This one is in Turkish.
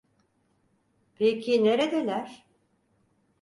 Peki neredeler?